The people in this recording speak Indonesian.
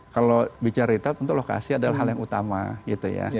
kalau bicara itu tentu lokasi adalah hal yang utama gitu ya